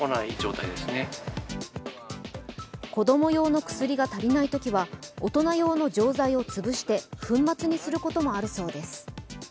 子供用の薬が足りないときは、大人用の錠剤を潰して粉末にすることもあるそうです。